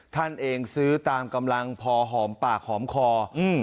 ท่านเองซื้อตามกำลังพอหอมปากหอมคออืม